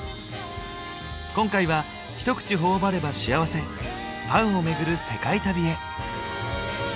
今回は一口頬張れば幸せパンを巡る世界旅へ。